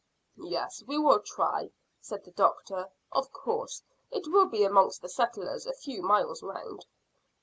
"Yes, we will try," said the doctor. "Of course it will be amongst the settlers a few miles round."